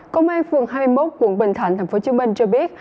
công an phường hai mươi một quận bình thạnh tp hcm cho biết